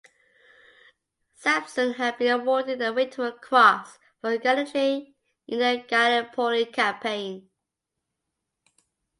Samson had been awarded the Victoria Cross for gallantry in the Gallipoli campaign.